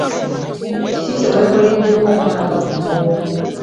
Kiki kye weekoleddewo omwaka guno?